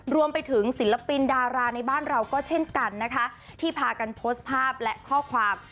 รวมไปถึงศิลปินดาราในบ้านเราก็เช่นกันนะคะที่พากันโพสต์ภาพและข้อความ